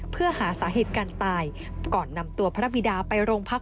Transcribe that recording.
เพื่อหาสาเหตุการตายก่อนนำตัวพระบิดาไปโรงพัก